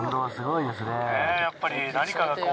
やっぱり何かがこう。